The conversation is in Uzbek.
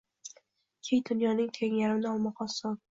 Keng dunyoning teng yarmini olmoq oson.